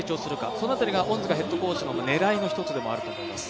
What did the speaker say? その辺りが、恩塚ヘッドコーチの狙いの一つでもあると思います。